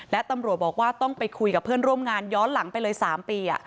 และตำรวจบอกว่าต้องไปคุยกับเพื่อนร่วมงานย้อนหลังไปเลย๓ปี